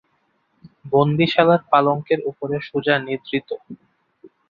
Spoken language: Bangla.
বন্দীশালার পালঙ্কের উপরে সুজা নিদ্রিত।